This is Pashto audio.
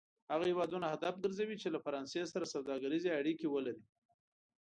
هغه هېوادونه هدف کرځوي چې له فرانسې سره سوداګریزې اړیکې ولري.